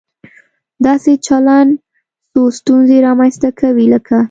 داسې چلن څو ستونزې رامنځته کوي، لکه